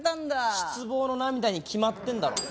失望の涙に決まってんだろ。